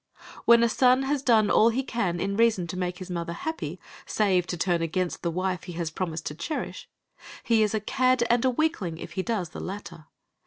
When a son has done all he can in reason to make his mother happy, save to turn against the wife he has promised to cherish, he is a cad and a weakling if he does the latter.